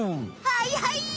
はいはい！